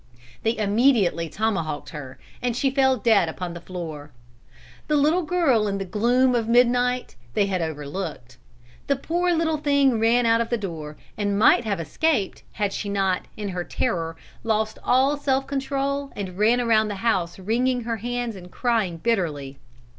They immediately tomahawked her and she fell dead upon the floor. The little girl in the gloom of midnight they had overlooked. The poor little thing ran out of the door, and might have escaped had she not, in her terror, lost all self control, and ran round the house wringing her hands and crying bitterly.